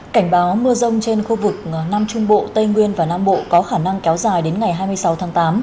cảnh báo mưa rông trên khu vực nam trung bộ tây nguyên và nam bộ có khả năng kéo dài đến ngày hai mươi sáu tháng tám